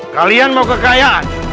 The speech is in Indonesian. kalian mau kekayaan